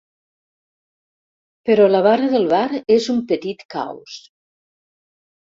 Però la barra del bar és un petit caos.